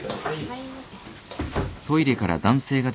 はい。